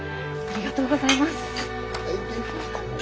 ありがとうございます。